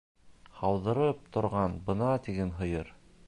— Һауҙырып торған бына тигән һыйыр.